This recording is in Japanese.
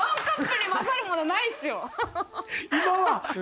今は？